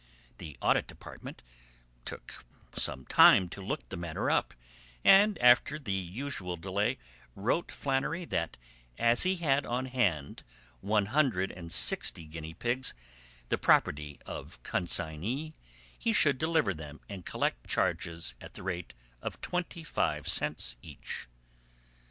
The Audit Department took some time to look the matter up, and after the usual delay wrote Flannery that as he had on hand one hundred and sixty guinea pigs, the property of consignee, he should deliver them and collect charges at the rate of twenty five cents each.